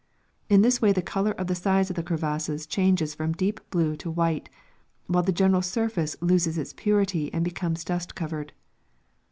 In this way the color of the sides of the crevasses changes from deep blue to white, while the general surface loses its purity and becomes dust covered.